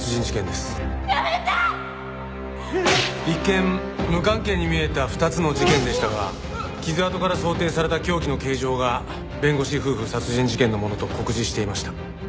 一見無関係に見えた２つの事件でしたが傷痕から想定された凶器の形状が弁護士夫婦殺人事件のものと酷似していました。